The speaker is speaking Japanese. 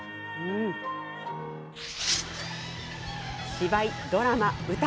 芝居、ドラマ、歌。